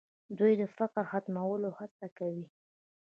دوی د فقر د ختمولو هڅه کوي.